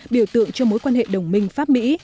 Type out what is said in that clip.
biểu tượng cho mối quan hệ đồng minh pháp mỹ